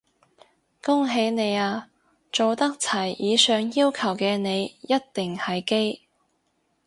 恭喜你啊，做得齊以上要求嘅你一定係基！